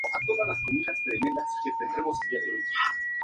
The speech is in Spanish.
La concesión del premio Nobel le dio fama mundial.